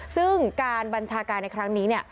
ซึ่งการบัญชาการในครั้งนี้